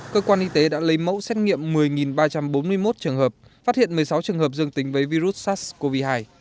cơ quan y tế đã lấy mẫu xét nghiệm một mươi ba trăm bốn mươi một trường hợp phát hiện một mươi sáu trường hợp dương tính với virus sars cov hai